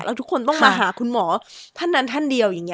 แล้วทุกคนต้องมาหาคุณหมอท่านนั้นท่านเดียวอย่างนี้